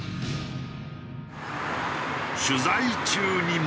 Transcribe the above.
取材中にも。